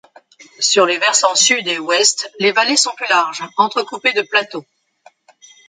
Sur les versants sud et ouest, les vallées sont plus larges, entrecoupées de plateaux.